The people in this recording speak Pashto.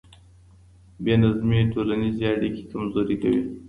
بې نظمي ټولنيز اړيکي کمزوري کوي.